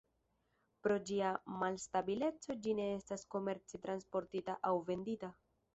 Pro ĝia malstabileco ĝi ne estas komerce transportita aŭ vendita.